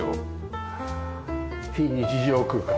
非日常空間。